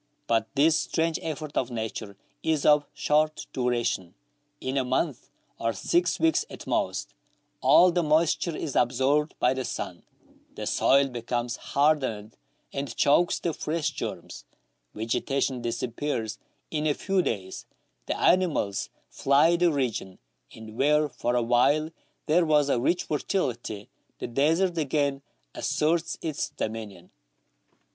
But this strange effort of nature is of short duration. In a month, or six weeks THREE ENGLISHMEN AND THREE RUSSIANS. I47 at most, all the moisture is absorbed by the sun ; the soil becomes hardened, and chokes the fresh germs ; vegetation disappears in a few days ; the animals fly the region ; and where for a while there was a rich fertility, the desert again asserts its dominion.